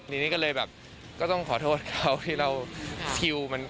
ทีนี้ก็เลยแบบก็ต้องขอโทษเขาที่เราทิวมัน